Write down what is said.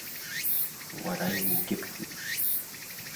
Уара иукьыԥхьит!